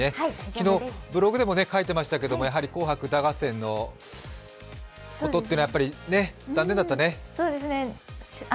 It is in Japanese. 昨日ブログでも書いてましたけどやはり「紅白歌合戦」のことって残念だったね。